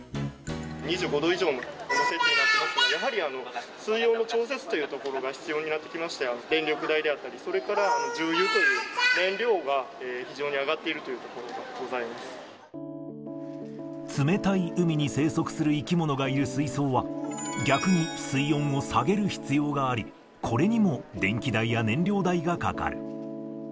２５度以上の温度設定になっておりますので、やはり水温の調節というところが必要になってきまして、電力代であったり、それから重油という燃料が非常に上がっているというところがござ冷たい海に生息する生き物がいる水槽は、逆に水温を下げる必要があり、これにも電気代や燃料代がかかる。